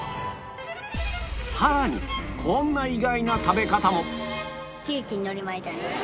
さらにこんな意外な食べ方も